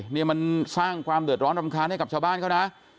นี่มันสร้างความเดือดร้อนรำคาญให้กับชาวบ้านเขานะ